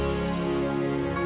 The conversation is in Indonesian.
pemimpin yang sudah berpikir